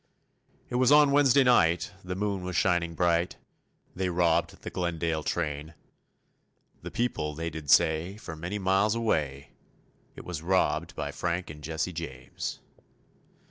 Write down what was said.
It was on Wednesday night, the moon was shining bright, They robbed the Glendale train; The people they did say, for many miles away, It was robbed by Frank and Jesse James.